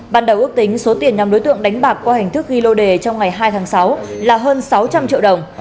ban đầu ước tính số tiền nhằm đối tượng đánh bạc qua hình thức ghi lô đề trong ngày hai tháng sáu là hơn sáu trăm linh triệu đồng